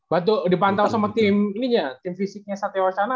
bantu dipantau sama tim fisiknya satewa sana